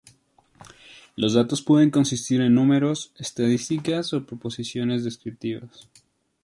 Los datos pueden consistir en números, estadísticas o proposiciones descriptivas.